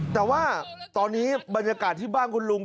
แต่ว่าตอนนี้บรรยากาศที่บ้านคุณลุง